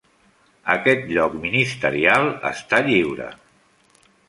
Aquest lloc ministerial està lliure.